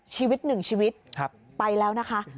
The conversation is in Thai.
ชีวิตหนึ่งชีวิตไปแล้วนะคะ